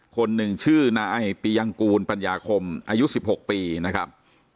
คนหนึ่งชื่อนายปียังกูลปัญญาคมอายุ๑๖ปีนะครับ